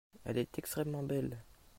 Elle est extrêmement belle.